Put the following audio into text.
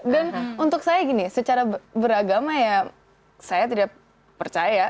dan untuk saya gini secara beragama ya saya tidak percaya